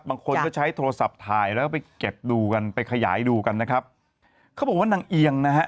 บางคนก็ใช้โทรศัพท์ถ่ายแล้วก็ไปเก็บดูกันไปขยายดูกันนะครับเขาบอกว่านางเอียงนะฮะ